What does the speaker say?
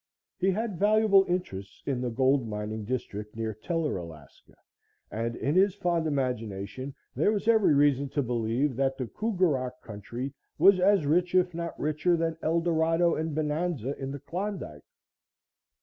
He had valuable interests in the gold mining district near Teller, Alaska, and in his fond imagination there was every reason to believe that the Kougarok country was as rich, if not richer, than Eldorado and Bonanza in the Klondike.